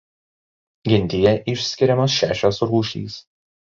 Gentyje išskiriamos šešios rūšys.